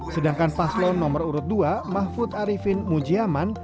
sedangkan paslon nomor urut dua mahfud arifin mujiaman